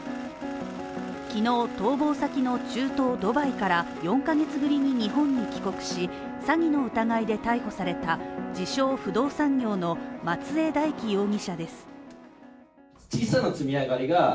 昨日逃亡先の中東ドバイから４ヶ月ぶりに日本に帰国し詐欺の疑いで逮捕された自称・不動産業の松江大樹容疑者です。